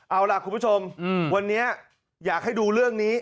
เอาล่ะคุณผู้ชมวันนี้อยากให้ดูเรื่องนี้